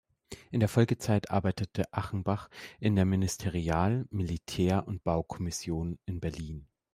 In der Folgezeit arbeitete Achenbach in der Ministerial-Militär- und Baukommission in Berlin.